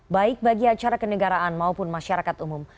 baik bagi acara kenegaraan maupun masyarakat umum